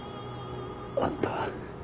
あんた